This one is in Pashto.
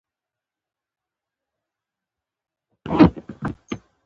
د صحابه وو د جهاد کيسې يې وکړې.